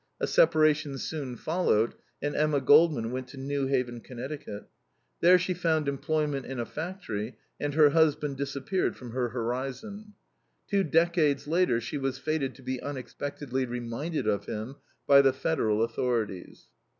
A separation soon followed, and Emma Goldman went to New Haven, Conn. There she found employment in a factory, and her husband disappeared from her horizon. Two decades later she was fated to be unexpectedly reminded of him by the Federal authorities.